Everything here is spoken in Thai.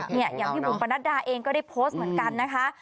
อย่างพี่บุ๋มปนัดดาเองก็ได้โพสต์เหมือนกันนะคะ